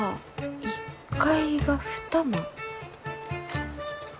１階は２間？